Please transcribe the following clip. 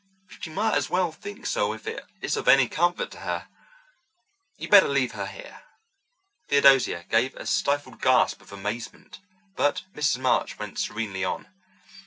She might as well think so if it is of any comfort to her. You'd better leave her here." Theodosia gave a stifled gasp of amazement, but Mrs. March went serenely on.